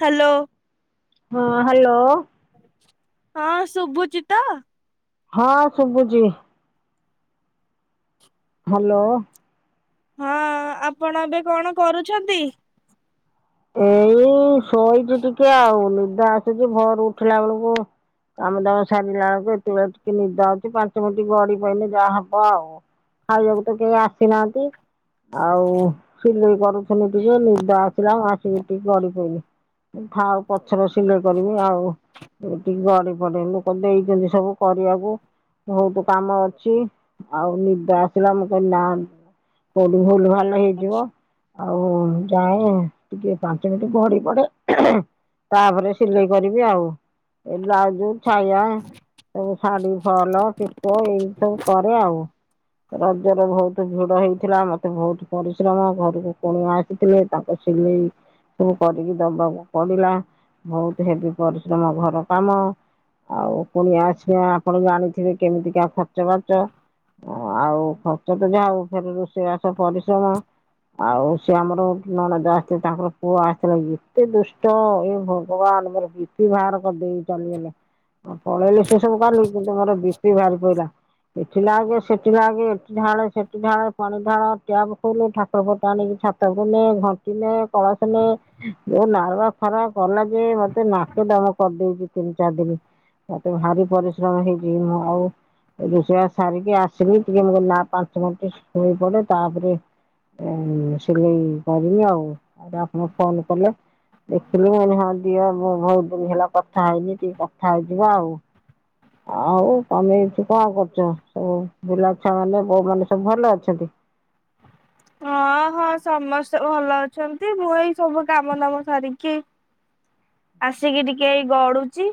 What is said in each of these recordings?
Hello ହଁ, hello! ହଁ, ସୁଭୁଚିତ? ହଁ, ଶୁଭୁଚି। ହ୍ୟାଲୋ! ହଁ, ଆପଣ ଏବେ କଣ କରୁଛନ୍ତି? ଏଇ ଶୋଇଛି, ଟିକେ ଆଉ ନିଦ ଆସୁଛି ଭର ଉଠିଲା ବେଳକୁ। କାମ ଦାମ ସାରିଲା ଆଳକୁ ଏତେବେଳେ ଟିକେ ନିଦ ଆଉଛି, ପାଞ୍ଚ ମିନଟ ଗଡି ପଇନେ ଯାହା ହବ ଆଉ। ଖାଉବାକୁ ତ କେହି ଆସିନାହାଁନ୍ତି? ଆଉ ସିଲେଇ କରୁଥିଲି, ଟିକେ ନିଦ ଆସିଲା ଆସିକି ଟିକେ ଗଡ଼ି ପିଇଲି। ଓ ଥାଉ। ଆଉ ପଛରେ ସିଲେଇ କରିବି ଆଉ। ଏ ଟିକେ ଗଡି ପଡେ ଲୋକ ଦେଇଛନ୍ତି, ସବୁ କରିବାକୁ ବହୁତ କାମ ଅଛି। ଆଉ ନିଦ ଆସିଲା। ମୁଁ କଇନି ନା କୋଉଠି ଭୁଲ ଭାଲ୍ ଲ ହେଇଯିବ ଆଉ ଯାଏଁ ଟିକେ ପାଞ୍ଚ ମିନ୍ଟି ଗଡି ପଡେ। ତାପରେ ସିଲେଇ କରିବି ଆଉ। ଏ ବ୍ଲାଉଜୁ ଛୟା ତ ସାଡ଼ି ଫଅଲ କେ ତ ଏଇ ସବୁ କରେ ଆଉ। ରଜରେ ବହୁତ ଭୁଡ ହେଇଥିଲା ମତେ ବହୁତ୍ ପରିଶ୍ରମ, ଘରୁକୁ କୁଣିଆ ଆସିଥିଲେ। ତାଙ୍କ ସେ ଚିଲେଇ ସବୁ କରିକି ଦବାକୁ ପଡିଲା। ଭଉତୁ ହେବି ପରିଶ୍ରମ ଘର କାମ। ଆଉ କୁଣିଆ ଆସିବା, ଆପଣ ଜାଣିଥିବେ, କେମିତିକା ଖର୍ଚ୍ଚ ବାର୍ଚ। ଆଉ ଖର୍ଚ୍ଚ ତ ଯାହା ହଉ ଫେରେ ରୋଷେଇବାସ ପରିଶ୍ରମ। ଆଉ ସେ ଆମର ନଣଦ ଆସ ତାଙ୍କର ପୁଅ ଆସିଥିଲା! ଏତେ ଦୁଷ୍ଟ! ଏ ଭଗବାନ୍! ମୋର ବି ପି ବାହାର କରିଦେଇ ଚାଲିଗଲେ। ପଳେଇଲେ ସେ ସବୁ କାଲି, କିନ୍ତୁ ମୋର ବି ପି ବାହାରି ପଇଲା। ଏଠି ଲାଗେ, ସେଟି ଲାଗେ, ଏଠି ଢାଳେ, ସେଟି ଢାଳେ, ପାଣି ଢାଳ, ଟ୍ୟାପ୍ ଖୁଲୁ, ଠାକୁର ଫଟ ଆଣିକି ଛାତକୁ ନେ ଘନ୍ ତିନେ, କଳସନେ, ଯୋଉ ନାରୁଆ ଖରା କଲା ଯେ, ମତେ ନାକେ ଦମ କରିଦେଇଚି ସେ ତିନ୍ ଚାର୍ ଦିନି। ମତେ ଭାରି ପରିଶ୍ରମ ହେଇଛି, ମୁଁ ଆଉ ରୋଷେୟାସ୍ ସାରିକି ଆସିଲି। ଟିକେ ମୁଁ କହିଲି ନା ପାଞ୍ଚ ମିଣ୍ଟି ଶୋଇ ପଡେ। ତାପରେ ଏଁ ମ୍ ସିଲେଇ କରିମି ଆଉ। ଆଉ ଦା ଆପଣ ଫୋନ୍ କଲେ। ଦେଖିଲି ହଁ ଦିଅ, ମୁଁ ଭଉ ଦିନି ହେଲା କଥା ହେଇନି। ଟିକେ କଥା ହେଇଯିବା ଆଉ ଆଉ ତମେ ଏଠି କଁ କରୁଚ? ସବୁ ପିଲାଛୁଆ ମାନେ, ବୋଉ ମାନେ ସବୁ ଭଲ ଅଛନ୍ତି? ହଁ, ହଁ ସମସ୍ତେ ଭଲ ଅଛନ୍ତି। ମୁଁ ଏଇ ସବୁ କାମ ଦାମ ସାରିକି ଆସିକି ଟିକେ ଏଇ ଗଡୁଛି।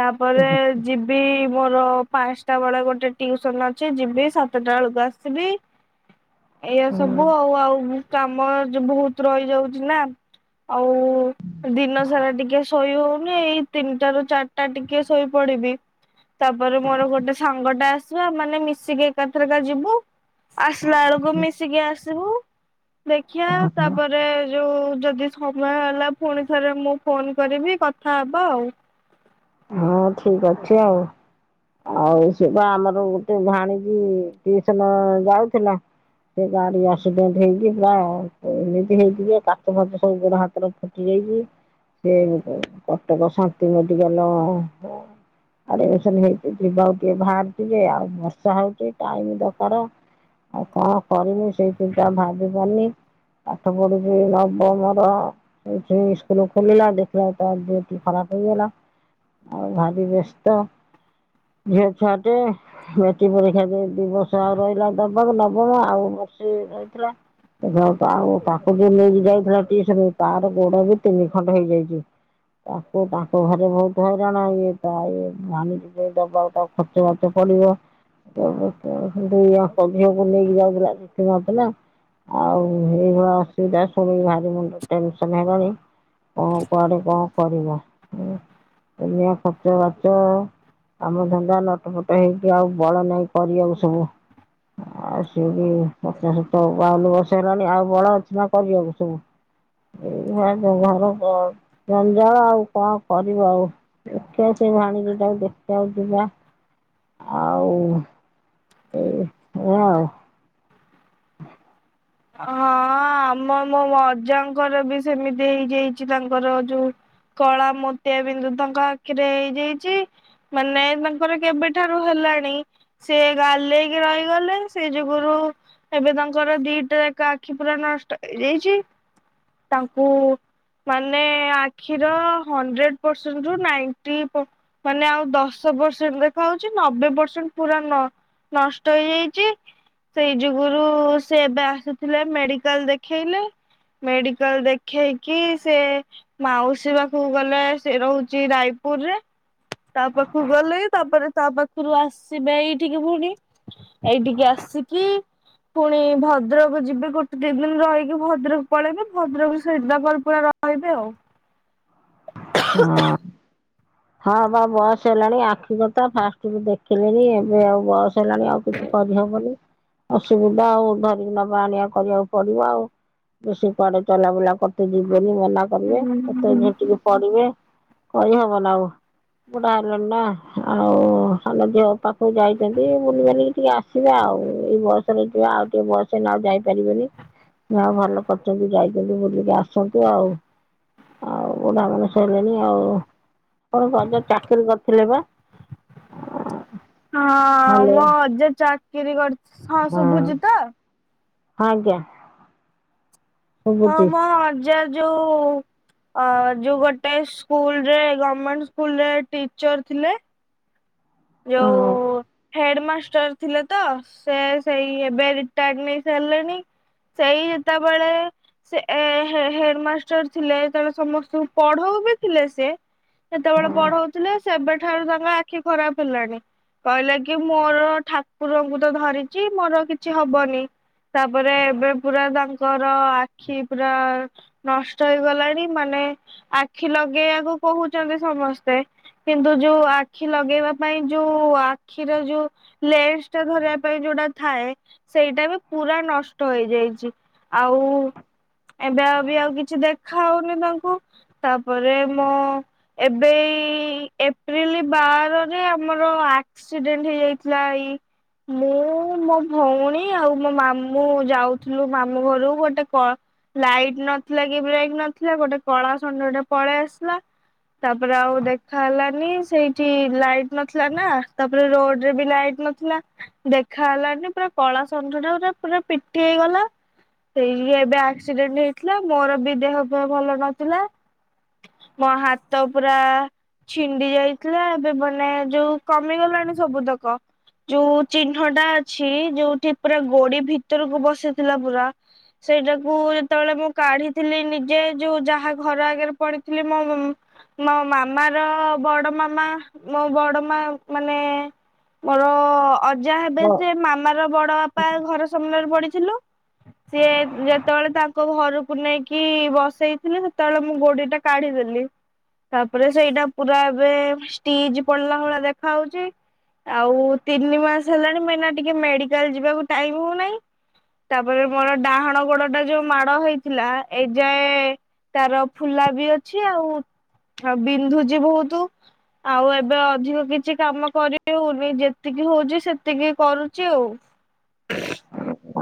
ତାପରେ ଯିବି ମୋର ପାଁଷ୍ଟା ବେଳେ ଗୋଟେ ଟିଉସନ ଅଛି ଯିବି। ସାତ ଟା ଏଳୁକୁ ଆସିବି। ଏଇଆ ସବୁ ଆଉ-ଆଉ କାମ ଜ ବହୁତ୍ ରହିଯାଉଛି ନା ଆଉ ଦିନ ସାରା ଟିକେ ଶୋଇ ହୋଉ ମୁ ଏଇ ତିନ୍ ଟା ରୁ ଚାର୍ଟା ଟିକେ ଶୋଇପଡିବି ତାପରେ ମୋର ଗୋଟେ ସାଙ୍ଗ ଟା ଆସ ଆସିବା ମାନେ ମିଶିକି ଏକାଥର କା ଯିବୁ ଆସ୍ଲା ଏଳକୁ ମିଶ ଆସିବୁ ଦେଖିଆ ତା ପରେ ଯୋଉ ଯଦି ସମୟ ହେଲା ଫୁଣି ଥରେ ମୁଁ ଫୋନ୍ କରିବି କଥା ହବା ଆଉ ହଁ ଠିକ୍ ଅଛି ଆଉ ଆଉ ସେ ବା ଆମର ଗୋଟେ ଭାଣୀଜି ଟିସନ ଯାଉଥିଲା ସେ ଗାଡି ଆକ୍ସିଡେଣ୍ଟ ହେଇକି ପୁରା ଏମିତି ହେଇଚି ଯେ କାଚ ଫାଚ ସବୁ ଗୋଡ ହାତରେ ଫୁଟିଯାଇ ସେ କଟକ ଶାନ୍ତି ମେଡିକାଲ ଆଡେ ଏସବୁ ହେଇଚି ଯିବାକୁ ଟିକେ ଭାରିଛି ଯେ ଆଉ ବର୍ଷା ହଉଛି ଟାଇମି ଦକାର। ଆଉ କକଣ କରିମି ସେଇ ଚିନ୍ତା ଭାବି ପାନି। ପାଠ ପଢୁଛି ନବମ ର ଇସ୍କୁଲୁ ଖୋଲିଲା ଦେଖିଲା ବେଳକୁ ତା ଦେହ ଟି ଖରାପ ହେଇଗଲା। ଆଉ ଭାବି ବ୍ୟସ୍ତ। ଝିଅ ଛୁଆ ଟେ ମେଟି ପରୀକ୍ଷା ଦେଇ ଦିବସ ଆଉ ରଇଲା ଦବମ ନବମ ଆଉ ସେ ରଇଥିଲା। ଆଉ ତାକୁ ଯିଏ ନେଇକି ଯାଇଥିଲା ଟିସନୁ ତାର ଗୋଡ ବି ତିନି ଖଣ୍ଡ ହେଇଯାଇଛି। ତାକୁ ତାଙ୍କ ଘରେ ବହୁତ ହଇରାଣା ଇଏ ତା ଇ ଭାଣିଜୀ ଯିଏ ଦବାକୁ ଖର୍ଚ୍ଚବାଚ ପଡିବ। ଦୁଇ ଆକ ଝିଅକୁ ନେଇକି ଯାଉଥିଲା ଦେଖିବନଥିଲା। ଆଉ ଏଇ ଅସୁବିଧା ଶୁଣିକି ଭାରି ମୁଣ୍ଡ ଟେନସନ ହେବଣିି। କଁ କୁଆଡେ କଣ କରିବା ଉଁ ଦୁନିଆ ଖର୍ଚ୍ଚ ବାଚ। କାମ ଧନ୍ଦା ନଟଫଟ ହେଇଛି ଆଉ ବଳ ନହିଁ କରି ଆକୁସବୁ। ଆସିକି ପଚାଶ ତ ବାଉନ ବର୍ଷ ହେଲାଣି ଆଉ ବଳ ଅଛି ନା କରିବାକୁ ସବୁ। ଏଇ ଘର ଜଞ୍ଜାଳ ଆଉ କଣ କରିବ ଆଉ ଦେଖିଆ ସେ ଭାଣେଜୀଟାକୁ ଦେଖିବାକୁ ଯିବା ଆଉ। ଏଇ ଏଇଆ ଆଉ। ହଁ ଆମ ମୋ ଅଜାଙ୍କର ବି ସେମିତି ହେଇଯାଇଛି ତାଙ୍କର ଯୋଉ। କଳା ମୋତିଆ ବିନ୍ଦୁ ତାଙ୍କ ଆଖିରେ ହେଇଯାଇଚି ମାନେ ତାଙ୍କର କେବେଠାରୁ ହେଲା ଲାଣି ସେ ଗାଲେଇକି ରହିଗଲେ ସେ ଯୁଗରୁ ଏବେ ତାଙ୍କର ଦି ଜାକ ଆଖି ପୁରା ନଷ୍ଟ ହେଇ ଯାଇଚି ତାଙ୍କୁ ମାନେ ଆଖିର ହଣ୍ଡରେଡ ପରସେଣ୍ଟ ରୁ ନାଇଁଟି ପ ମାନେ ଆଉ ଦଶ ପରସେଣ୍ଟ ଦେଖା ହଉଛି ନବେ ପରସେଣ୍ଟ ପୁରା ନ ନଷ୍ଟ ହେଇଯାଇଛି ସେଇ ଯୁଗରୁ ସେ ଏବେ ଥିଲେ ମେଡିକାଲ ଦେଖେଇଲେ ମେଡିକାଲ ଦେଖେଇକି ସେ ମାଉସୀ ପାଖକୁ ଗଲେ ସେ ରହୁଚି ରାଇ ପୁରରେ। ତା ପାଖକୁ ଗଲେ ତାପରେ ତା ପାଖରୁ ଆସିବେ ଏଇଠିକି ଫୁଣୀ ଏଇଠିକ ଆସ ଆସିକି ପୁଣି ଭଦ୍ରକ ଯିବେ ଗୋଟେ ଦିନି ଦିନ ରହିକି ଭଦ୍ରକ ପଳେଇବେ ଭଦ୍ରକ ସିଦାପର ପୁରା ରହିବେ ଆଉ ହଁ। ହଁ ବା ବସ୍ ହେଲାଣି ଆଖି କଥା ଫାଷ୍ଟରୁ ଦେଖିଲିଣି ଏବେ ଆଉ ବସ୍ ହେଲାଣି ଆଉ କିଛି ତ ଦିହ ଭଲ ଅଛି। ଅସୁବିଧା ଆଉ ଧରିକି ନବା ଆଣିବା କରିବାକୁ ପଡିବ ଆଉ ବେଶୀ କୁଆଡେ ଚଲାବୁଲା କତେ ଯିବେନି ମନା କରିବେ ହୁଁ କେତେ ହୁଁ। ଝଟିକି ପଡିବେ କହିହବ ନା ଆଉ। ବୁଡା ହେଲାଣି ନା ଆଉ ଆାନ ଝିଅ ପାଖକୁ ଯାଇଛନ୍ତି ବୁଲି ବାଲିକି ଟିକେ ଆସିବେ ଆଉ। ଆଉ ଏଇ ବୟସରେ ଯ ଆଉ ଟିକେ ବୟସହେଲେ ଆଉ ଯାଇପାରିବେନି। ହ ଭଲ କରିଛନ୍ତି ଯାଇଛନ୍ତି ବୁଲିକି ଆସନ୍ତୁ ଆଉ ଆଉ। ବୁଢା ମଣିଷ ହେଲେଣି ଆଉ ତମ ଅଜା ଚାକିରି କରିଥିଲେ ବା? ହଁ ହ୍ୟାଲୋ ମୋ ଅଜା ଚାକିରି କରି ହଁ ଶୁଭୁଛିୁ ତ? ଆଜ୍ଞା। ହଁ ଶୁଭୁଛି ମୋ ଅଜା ଯୋଉ ଅ ଯୋଉ ଗୋଟେ ସ୍କୁଲରେ ଗମେଣ୍ଟ ସ୍କୁଲରେ ଟିଚର ଥିଲେ। ହଁ ଯୋଉ ହେଡ ମାଷ୍ଟ ଥିଲେ ତ, ସେ ସେଇ ଏବେ ରିଟଡ ନେଇସାରିଲେଣି। ସେଇ ଯେତେବେଳେ ସେ ହେଡମାଷ୍ଟର ଥିଲେ, ତେଣୁ ସମସ୍ତଙ୍କୁ ପଢଉ ବି ଥିଲେ ସେ କେତେବେଳେ ପଢଉଥିଲେ, ସେବେଠାରୁ ତାଙ୍କ ଆଖି ଖରାପ। ହେଲାଣି, କହିଲା କି -ମୋର ଠାକୁରଙ୍କୁ ତ ଧରିଛି ମୋର କିଛି ହବନି। ତାପରେ, ଏବେ ପୁରା ତାଙ୍କର ଆଖି ପୁରା ନଷ୍ଟ ହେଇଗଲାଣି, ମାନେ ଆଖି ଲଗେଇବାକୁ କହୁଛନ୍ତି ସମସ୍ତେ କିନ୍ତୁ ଯୋଉ ଆଖି ଲଗେଇବା ପାଇଁ ଯୋଉ ଆଖିର ଯୋଉ ଲେନସ ଟା ଧରିବା ପାଇଁ ଯୋଉଟା ଥାଏ, ସେଇଟା ବି ପୁରା ନଷ୍ଟ ହେଇଯାଇଛି, ଆଉ ଏବେ ଆଉ ବି ଆଉ କିଛି ଦେଖା ହଉନି ତାଙ୍କୁ, ତାପରେ ମୁଁ ଏବେ ଏପ୍ରିଲ ବାରରେ, ଆମର ଆକ୍ସିଡେଣ୍ଟ ହେଇଯାଇଥିଲା ଏଇ ମୁଁ ମୋ ଭଉଣୀ ଆଉ ମୋ ମାମୁଁ ଯାଉଥିଲୁ, ମାମୁଁ ଘରୁ ଗୋଟେ ଲାଇଟ ନଥିଲା କି, ବ୍ରେକ୍ ନଥିଲା, ଗୋଟେ କଳା ଣ୍ଡ ଗୋଟେ ପଳେଇ ଆସିଲା ତାପରେ ଆଉ ଦେଖା ହେଲାନି, ସେଇଠି ଲାଇଟ ନଥିଲା ନା, ତାପରେ ରୋଡ ରେ ବି ଲାଇଟ ନଥିଲା, ଦେଖା ହେଲାଣି ପୁରା କଳା ଷଣ୍ଢଟା ପା ପୁରା ପିଟି ହେଇଗଲା। ସେଇ ଏବେ ଆକ୍ସିଡେଣ୍ଟ ହେଇଥିଲା, ମୋର ବି ଦେହ ଭଲ ନଥିଲା। ମୋ ହାତ ପୁରା ଛିଣ୍ଡି ଯାଇଥିଲା, ଏବେ ବନ ମାନେ ଯୋଉ କମିଗଲାଣି ସବୁ ତକ। ଯୋଉ ଚିହ୍ନଟା ଅଛି, ଯୋଉଠି ପୁରା ଗୋଡି ଭିତରକୁ ବସିଥିଲା ପୁରା ସେଇଟାକୁ ଯେତେବେଳେ ମୁଁ କାଢିଥିଲି ନିଜେ, ଯୋଉ ଯାହା ଘର ଆଗରେ ପଡିଥିଲି, ମୋ ମୋ ମାମାର, ବଡ ମାମା, ମୋ ବଡ ମା, ମାନେ ମୋର ଅଜା ହେବେ, ଆଉ ସେ ମାମାର ବଡ ବାପା ଘର ସାମ୍ନାରେ ପଡିଥିଲୁ। ସିଏ ଯେତେବେଳେ ତା ଘରକୁ ନେଇକି ବସେଇଥିଲେ, ସେତେବେଳେ ମୁଁ ଗୋଡି ଟା କାଢିଦେଲି। ତାପରେ ସେଇଟା ପୁରା ଏବେ ଷ୍ଟିଜ ପଡିଲା ଭଳିଆ ଦେଖା ଯାଉଚି। ଆଉ ତିନି ମାସ ହେଲାଣି, ମୁଁ ଏଇନେ ଟିକେ ମେଡିକାଲ ଯିବାକୁ ଟାଇମ ହଉନାହିଁ। ତାପରେ ମୋର ଡାହାଣ ଗୋଡ ଟା ଯୋଉ ମାଡ ହେଇଥିଲା, ଏଯାଏ ତାର ଫୁଲା ବି ଅଛି ଆଉ ବିନ୍ଧୁଛି ବହୁତ। ଆଉ ଏବେ ଅଧିକ କିଛି କାମ କରିହଉନି, ଯେତିକି ହଉଛି ସେତିକି କରୁଛି ଆଉ।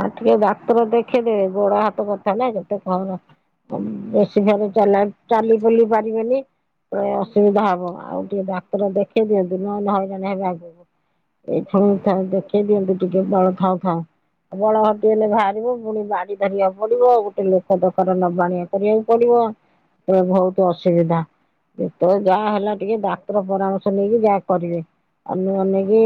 ଆଉ ଟିକେ ଡାକ୍ତର ଦେଖେଇଦେ, ଗୋଡ ହାତ କଥା ନା ସେତେ କହନ। ବେଶୀ ଘରେ ଚାଲା ଚାଲି ବୁଲି ପାରିବେନି। ପ ଅସୁବିଧା ହବ ଆଉ ଟିକେ ଡାକ୍ତର ଦେଖେଇ ଦିଅନ୍ତୁ, ନହେଲେ ହଇରାଣ ହେବେ ଆଗକୁ। ଏଇଥର ଥା ଦେଖେଇ ଦିଅନ୍ତୁ ଟିକେ, ବଳ ଥାଉ ଥାଉ। ବଳ ହଟିଗଲେ ବାହାରିବ, ପୁଣି ବାଡି ଧରିବାକୁ ପଡିବ, ଗୋଟେ ଲୋକ ଦରକାର- ନବାଆଣିବା କରିବାକୁ ପଡିବ। ଏ ବହୁତ ଅସୁବିଧା। ଯେତେବେଳେ ଯାହା ହେଲା ଟିକେ ଡାକ୍ତର ପରାମର୍ଶ ନେଇକି ଯାହା କରିବେ। ଆନୁମାନିକି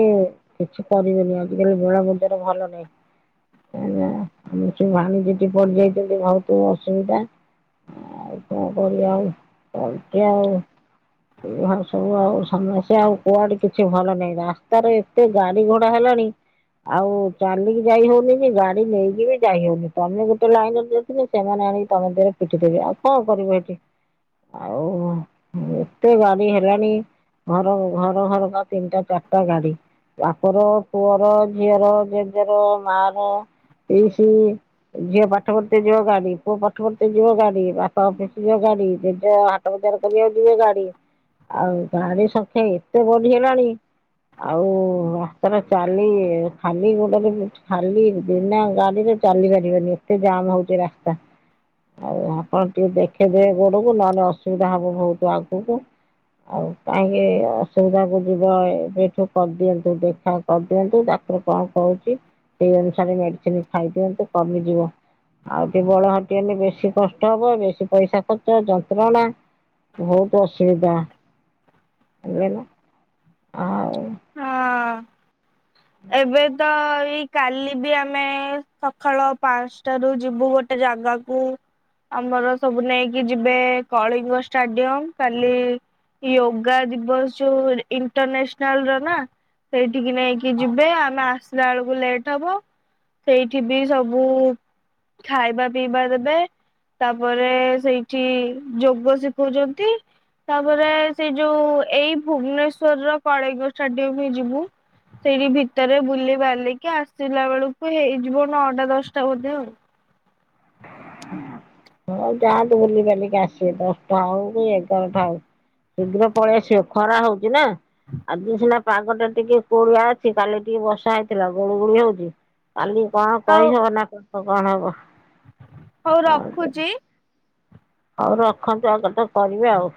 କିଛି କରିବେନି ଆଜିିକାଲି ଘୁଳା ବିନ୍ଧା ଟା ଭଲ ନାଇଁ। [unintelligible] ପଡିଯାଇଛନ୍ତି ବହୁତ ଅସୁବିଧା। ଆଉ କଣ କରିଵା ଆଉ ତଣ୍ଟିଆ ଆଉ। ଏଭ ସବୁ ଆଉ ସମସ୍ୟା ଆଉ କୁଆଡେ କିଛି ଭଲ ନାହିଁ, ରାସ୍ତାରେ ଏତେ ଗାଡି ଗୋଡା ହେଲା। ଆଉ ଚାଲିକି ଯାଇ ହଉନି ଗାଡି ନେଇକି ବି ଯାଇହଉନି, ତମେ ଗୋଟେ ଲାଇନ ରେ ଯଉଥିଲି, ସେମାନେ ଆଣିକି ତମେ ଦେହରେ ପିଟିଦେବେ, ଆଉ କଣ କରିବ ଏଠି ଆଉ ଏତେ ଗାଡି ହେଲାଣି। ଘର ଘର ଘର କା ତିନଟା, ଚାରିଟା ଗାଡି। ବାପର, ପୁଅର, ଝିଅର, ଜେଜେର, ମା ର, ପିସି ଝିଅ ପାଠ ପଢତେ ଯିବ ଗାଡି, ପୁଅ ପାଠ ପଢତେ ଯିବ, ଗାଡି ବାପା ଅଫିସ ଯିବ ଗାଡି, ଯେ ଯାହା ଵାଟ [unintelligible] ଯିବେ ଗାଡି ଆଉ ଗାଡି ସଂଖ୍ୟା ଏତେ ବଢିଗଲାଣି। ଆଉ ରାସ୍ତା ଟା ଚାଲି, ଖାଲି ଗୋଡ ବିନ୍ଧୁଛି। ଖାଲି ବିନା ଗାଡିରେ ଚାଲି ପାରିବନି। ଏତେ ଜାମ ହଉଚି ରାସ୍ତା। ଆଉ, ଆପଣ ଟିକେ ଦେଖେଇ ଦେବେ ଗୋଡ଼କୁ, ନହେନେ ଅସୁବିଧା ହବ ବହୁତ ଆଗକୁ। ଆଉ କାହିଁକି ଅସୁବିଧା କୁ ଯିବ! ଏବେଠୁ କରିଦିଅନ୍ତୁ ଦେଖା କରିଦିଅନ୍ତୁ ତାକ୍ ସେ କଣ କହୁଛି? ସେଇ ଅନୁସାରେ ମେଡିସିନ୍ ଖାଇ ଦିଅନ୍ତୁ କମିଯିବ। ଆଉ ଟିକେ ବଳ ହଟିଗଲେ, ବେଶୀ କଷ୍ଟ ହବ। ବେଶୀ ପଇସା ଖର୍ଚ ଯନ୍ତ୍ରଣା। ବହୁତ ଅସୁବିଧା ହେଇଗଲା ଆଉ। ହଁ। ଏବେ ତ-ଅ ଏଇ କାଲି ବି ଆମେ ସକାଳ ପାଞ୍ଚଟାରୁୁ ଯିବୁ ଗୋଟେ ଜାଗାକୁ। ଆମର ସବୁ ନେଇକି ଯିବେ, କଳିଙ୍ଗ ଷ୍ଟାଡିୟମ କାଲି ୟୋଗା ଦିବସ ଯୋଉ, ଇଣ୍ଟରନାସନାଲ୍ ର ନା ସେଇଠିକି ନେଇକି ଯିବେ, ଆମେ ଆସିଲା ଆଳକୁ ଲେଟ୍ ହବ। ସେଇଠି ବି ସବୁ ଖାଇବା ପିଇବା ଦେବେ। ତାପରେ, ସେଇଠି ଯୋଗ ଶିଖଉଛନ୍ତି। ତାପରେ ସେଇ ଯୋଉ ଏଇ ଭୁବନେଶ୍ୱର ର କଳିଙ୍ଗ ଷ୍ଟାଡିୟମ ହିଁ ଯିବୁ। ସେଇଠି ଭିତରେ ବୁଲି ବାଲିକି ଆସିଲା ବେଳକୁ ହେଇଯିବ, ନଅଟା ଦଶଟା ବୋଧେ ଆଉ। ହୁଁ। ହଉ ଯାଆନ୍ତୁ। ବୁଲି ବାଲିକି ଆସିବେ, ଦଶଟା ହଉ କି ଏଗାରଟା ହଉ। ଶୀଘ୍ର ପଳେଇ ଆସିବ। ଖରା ହଉଛି ନା। ଆଜି ସିନା ପାଗଟା ଟିକେ କୋହଲା ଅଛି, କାଲି ଟିକେ ବର୍ଷା ହେଇଥିଲା ଗୁଳୁ ଗୁଳି ହଉଛି। କାଲି କଣ ହଉ କହିହବ ନା କ-କଣ ହବ? ହଉ ରଖୁଚି। ହଉ ରଖନ୍ତୁ। ଆଉ କେତେ କରିବେ ଆଉ।